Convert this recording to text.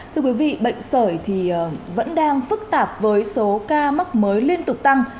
thưa quý vị bệnh sởi thì vẫn đang phức tạp với số ca mắc mới liên tục tăng